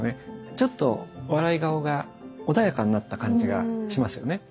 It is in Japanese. ちょっと笑い顔が穏やかになった感じがしますよね。